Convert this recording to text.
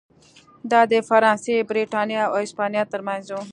دا د فرانسې، برېټانیا او هسپانیا ترمنځ و.